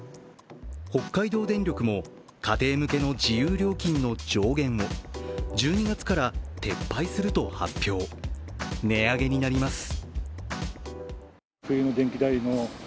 北海道電力も家庭向けの自由料金の上限を１２月から撤廃すると発表、値上げになります。